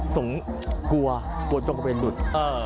ส่งกลัวกลัวจงกระเวนดุด